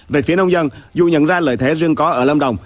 về phía nông dân dù nhận ra lợi thế riêng có ở lâm đồng